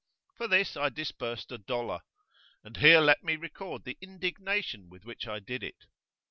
For this I disbursed a dollar. And here let me record the indignation with which I did it.